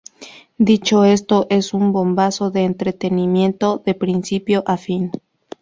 Dicho esto, es un bombazo de entretenimiento de principio a fin.